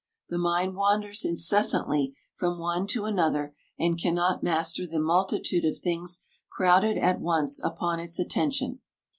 The mind wanders incessantly from one to another and cannot master the multitude of things crowded at once upon its attention.